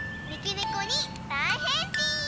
ねこにだいへんしん！